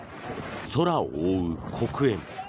空を覆う黒煙。